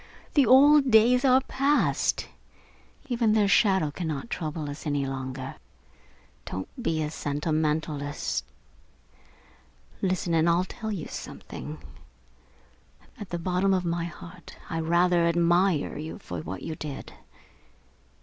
The old days are passed. Even their shadow cannot trouble us any longer. Don't be a sentimentalist. Listen and I'll tell you something at the bottom of my heart I rather admire you for what you did.